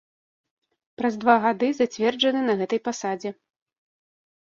Праз два гады зацверджаны на гэтай пасадзе.